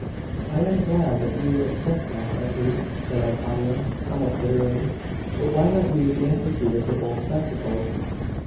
'I am glad that you except that, at least,' said Hypatia, somewhat bitterly. 'But why not use the Amphitheatre for both spectacles?